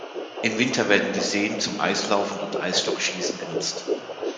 Im Winter werden die Seen zum Eislaufen und Eisstockschießen genutzt.